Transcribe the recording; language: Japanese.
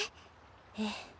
ええ。